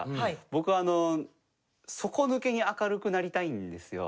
僕、底抜けに明るくなりたいんですよ。